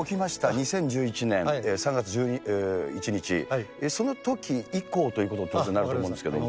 ２０１１年３月１１日、そのとき以降ということになると思うんですけども。